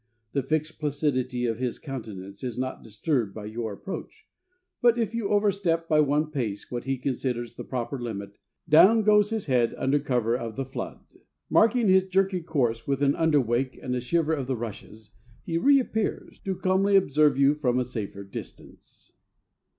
The fixed placidity of his countenance is not disturbed by your approach, but if you overstep by one pace what he considers the proper limit, down goes his head under cover of the flood. Marking his jerky course with an underwake and a shiver of the rushes, he reappears, to calmly observe you from a safer distance.